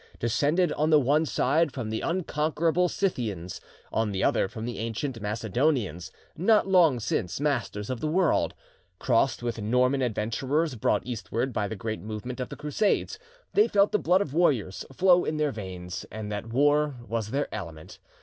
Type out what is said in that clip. Descended on the one side from the unconquerable Scythians, on the other from the ancient Macedonians, not long since masters of the world; crossed with Norman adventurers brought eastwards by the great movement of the Crusades; they felt the blood of warriors flow in their veins, and that war was their element.